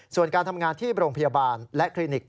ส่วนการทำงานที่โรงพยาบาลและคลินิก